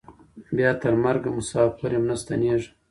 بیا تر مرګه مساپر یم نه ستنېږم